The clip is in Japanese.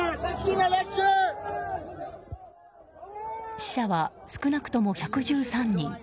死者は少なくとも１１３人。